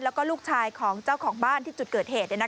แล้วก็ลูกชายของเจ้าของบ้านที่จุดเกิดเหตุ